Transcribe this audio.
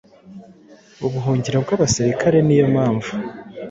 Ubuhungiro bwabasirikare ni yo mpamvu